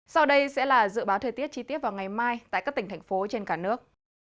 sau đây sẽ là dự báo thời tiết chi tiết vào ngày mai tại các tỉnh thành phố trên cả nước